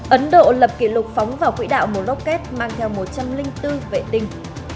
ấn độ lập kỷ lục phóng vào quỹ đạo một rocket mang theo một trăm linh bốn vệ tinh